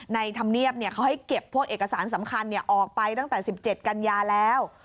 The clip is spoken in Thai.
ธรรมเนียบเขาให้เก็บพวกเอกสารสำคัญออกไปตั้งแต่๑๗กันยาแล้ว